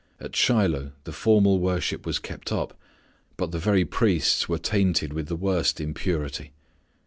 At Shiloh the formal worship was kept up, but the very priests were tainted with the worst impurity.